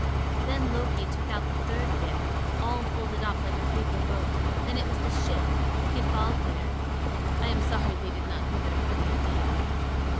Then Loki took out the third gift, all folded up like a paper boat; and it was the ship Skidbladnir, I am sorry they did not give it a prettier name.